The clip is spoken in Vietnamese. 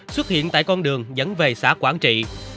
xuất hiện tại con đường dẫn về xã quảng trị